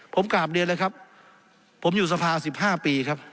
ผมกราบเรียนเลยครับผมอยู่สภา๑๕ปีครับ